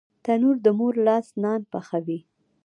تنور د مور لاس نان پخوي